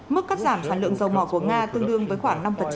mức cắt giảm sản lượng dầu mỏ của nga tương đương với khoảng năm